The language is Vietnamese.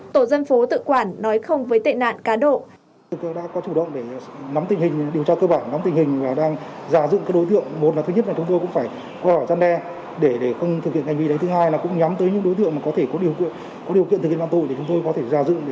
tổ quốc tổ dân phố tự quản nói không với tệ nạn cá độ